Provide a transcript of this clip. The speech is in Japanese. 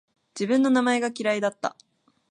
自分の名前が嫌いだった